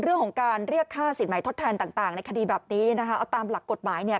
เรื่องของการเรียกค่าสินใหม่ทดแทนต่างในคดีแบบนี้นะคะเอาตามหลักกฎหมายเนี่ย